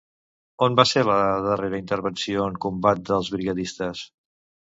On va ser la darrera intervenció en combat dels brigadistes?